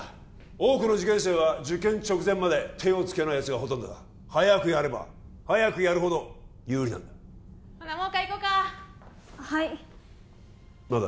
多くの受験生は受験直前まで手を付けないやつがほとんどだ早くやれば早くやるほど有利なんだほなもう一回いこかはい何だ？